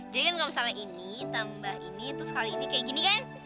jadi kan kalau misalnya ini tambah ini terus kali ini kayak gini kan